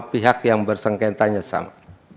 pihak yang bersengketanya sama